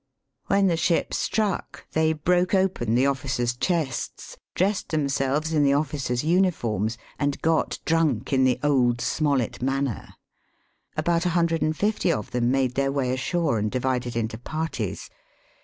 When the ship struck, they broke open the officers' chests, dressed them selves in the officers' uniforms, and got drunk in the old, Smollett manner. About a hun dred and fifty of them made their way ashore, and divided into parties.